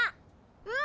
うん！